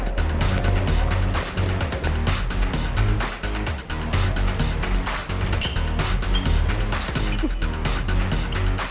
jangan jangan jangan